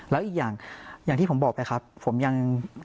แล้วอีกอย่างอย่างที่ผมบอกไปครับผมยัง